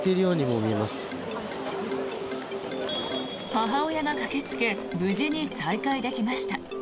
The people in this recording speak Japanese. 母親が駆けつけ無事に再会できました。